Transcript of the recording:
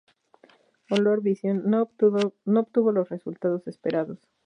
Olor-Visión no obtuvo los resultados esperados.